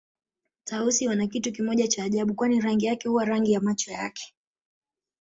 Tausi wana kitu kimoja cha ajabu kwani rangi yake huwa rangi ya macho yake